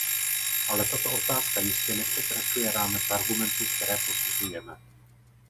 Ale tato otázka jistě nepřekračuje rámec argumentů, které posuzujeme.